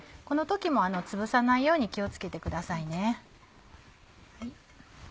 この時もつぶさないように気を付けてください。